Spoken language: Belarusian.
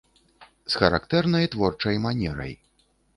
З характэрнай творчай манерай.